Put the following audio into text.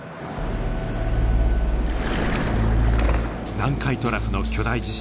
南海トラフの巨大地震。